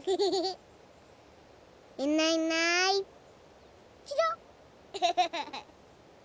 いないいないちらっ。